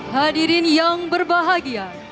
hadirin yang berbahagia